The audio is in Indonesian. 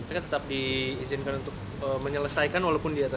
mereka tetap diizinkan untuk menyelesaikan walaupun di atas